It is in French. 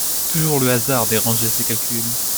Toujours le hasard dérangeait ses calculs.